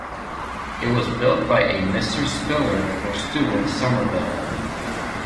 It was built by a Mr Spiller for Stuart Somerville.